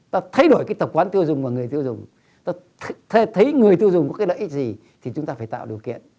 ta thay đổi cái tập quán tiêu dùng và người tiêu dùng ta thấy người tiêu dùng có cái lợi ích gì thì chúng ta phải tạo điều kiện